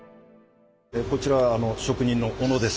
こちら職人の小野です。